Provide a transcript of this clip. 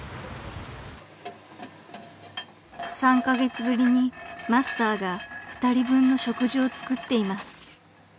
［３カ月ぶりにマスターが２人分の食事を作っています］